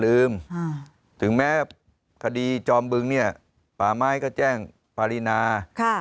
ลืมอ่าถึงแม้คดีจอมบึงเนี้ยป่าไม้ก็แจ้งปารินาค่ะ